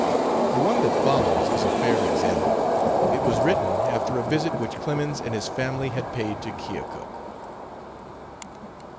The one that follows is a fair example. It was written after a visit which Clemens and his family had paid to Keokuk.